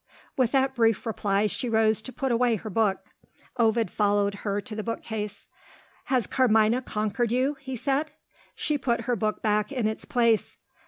With that brief reply she rose to put away her book. Ovid followed her to the bookcase. "Has Carmina conquered you?" he said. She put her book back in its place.